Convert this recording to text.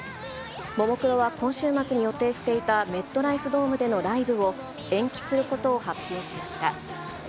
ももクロは今週末に予定していたメットライフドームでのライブを、延期することを発表しました。